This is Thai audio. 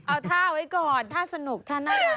เอาท่าไว้ก่อนถ้าสนุกถ้าน่ารัก